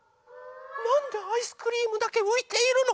なんでアイスクリームだけういているの？